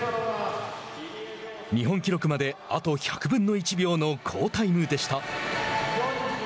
日本記録まで、あと１００分の１秒の好タイムでした。